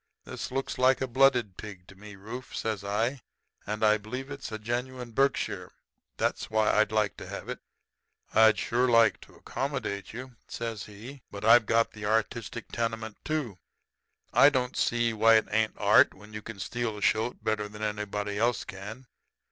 This looks like a blooded pig to me, Rufe,' says I. 'I believe it's a genuine Berkshire. That's why I'd like to have it.' "'I'd shore like to accommodate you,' says he, 'but I've got the artistic tenement, too. I don't see why it ain't art when you can steal a shoat better than anybody else can.